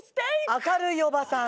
明るいおばさん。